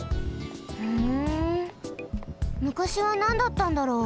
ふんむかしはなんだったんだろう？